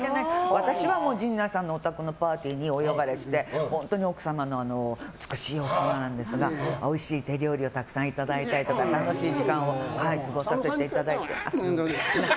私は陣内さんのお宅のパーティーにお呼ばれして美しい奥様なんですがおいしい手料理をたくさんいただいたり楽しい時間を過ごさせていただいて。